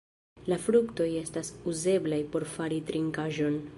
La fruktoj estas uzeblaj por fari trinkaĵon.